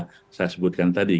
yang saya sebutkan tadi